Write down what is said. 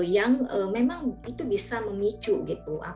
yang memang itu bisa memicu gitu